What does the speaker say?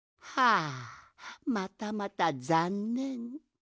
あまたまたざんねん。